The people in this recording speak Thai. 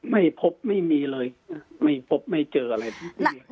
ไม่พบไม่มีเลยไม่พบไม่เจออะไร